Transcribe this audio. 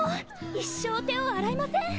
一生手を洗いません！